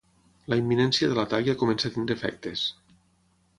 La imminència de l’atac ja comença a tenir efectes.